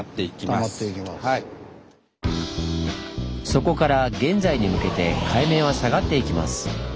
そこから現在に向けて海面は下がっていきます。